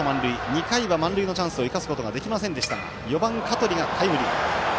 ２回は満塁のチャンスを生かすことができませんでしたが４番、香取がタイムリー。